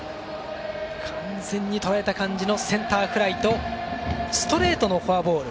完全にとらえた感じのセンターフライとストレートのフォアボール。